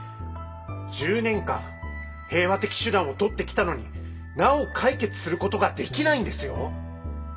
１０年間平和的手段をとってきたのになお解決することができないんですよ！